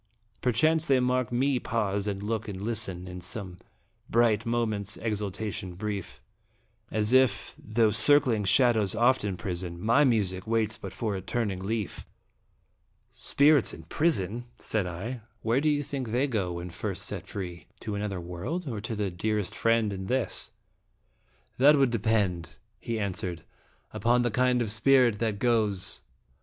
Perchance they mark me pause and look and listen, In some bright moment's exaltation brief, As if, though circling shadows oft imprison, My music waits but for a turning leaf ! i28 l) Dramatic in ills '"Spirits in prison/" said I; "where do you think they go when first set free? to another world, or to the dearest friend in this?" " That would depend," he answered, "upon the kind of spirit that goes.